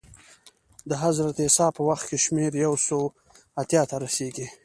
د حضرت عیسی په وخت کې شمېر یو سوه اتیا ته رسېږي